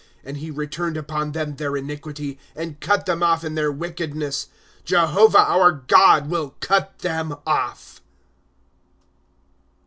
''^ And he returned upon them their iniquity, And cut them off in their wickedness. Jehovah, our God, will cut them off